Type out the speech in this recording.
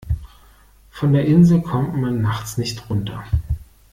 Von der Insel kommt man nachts nicht runter.